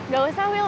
gak usah will